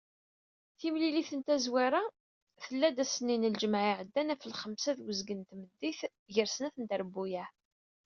Timlilit n tazwara, tella-d ass-nni n lǧemɛa iɛeddan ɣef lxemsa d uzgen n tmeddit gar snat n trebbuyaɛ.